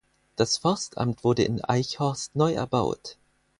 Das Forstamt wurde in Eichhorst neu erbaut.